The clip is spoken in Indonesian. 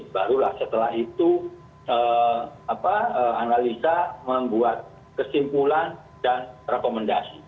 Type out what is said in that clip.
barulah setelah itu analisa membuat kesimpulan dan rekomendasi